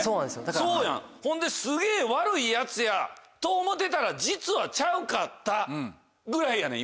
そうやほんですげぇ悪いヤツやと思てたら実はちゃうかったぐらいやねん今。